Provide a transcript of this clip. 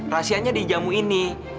rahasianya di jamu ini